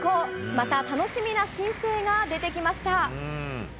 また楽しみな新星が出てきました。